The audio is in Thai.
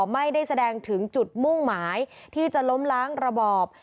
ไม่ได้แสดงถึงจุดมุ่งหมายที่จะล้มล้างระบอบ